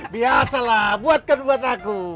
biasalah buatkan buat aku